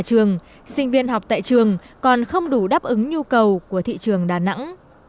trường sinh viên học tại trường còn không đủ đáp ứng nhu cầu của thị trường đà nẵng